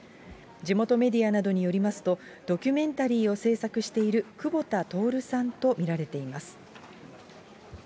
地元メディアなどによりますと、ドキュメンタリーを制作している久保田徹さんと見られています。